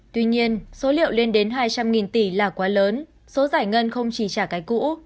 tuy nhiên số liệu lên đến hai trăm linh tỷ là quá lớn số giải ngân không chỉ trả cái cũ